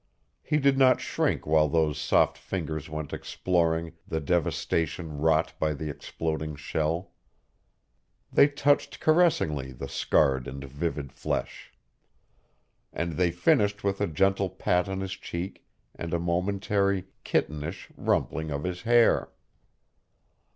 He did not shrink while those soft fingers went exploring the devastation wrought by the exploding shell. They touched caressingly the scarred and vivid flesh. And they finished with a gentle pat on his cheek and a momentary, kittenish rumpling of his hair.